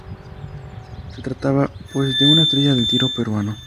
Se trataba, pues, de una estrella del tiro peruano.